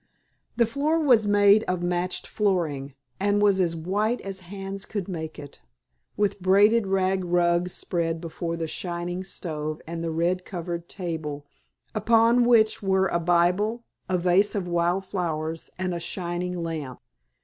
The floor was made of matched flooring, and was as white as hands could make it, with braided rag rugs spread before the shining stove and the red covered table, upon which were a Bible, a vase of wild flowers, and a shining lamp.